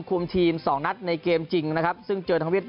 ก็จะมีการลงรายละเอียดที่สุดในการเล่นเกมวันนี้ครับ